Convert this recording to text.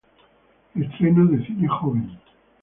Estreno de cine joven.